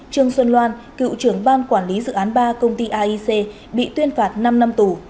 trương xuân loan cựu trưởng ban quản lý dự án ba công ty aic bị tuyên phạt năm năm tù